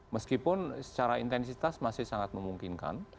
meskipun secara intensitas masih sangat memungkinkan